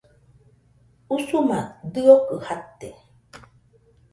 Usuma dɨokɨ jate.